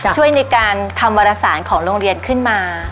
ช่วยในการทำวารสารของโรงเรียนขึ้นมา